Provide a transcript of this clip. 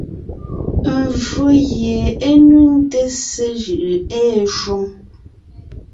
Mvfó gie é nuŋte ssé jʉʼʉ ée shwoŋ.